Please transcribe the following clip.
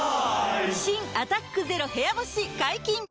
新「アタックＺＥＲＯ部屋干し」解禁‼